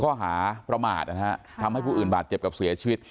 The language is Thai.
ข้อหาประมาทนะฮะทำให้ผู้อื่นบาดเจ็บกับเสียชีวิต